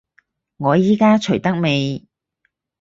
我依家除得未？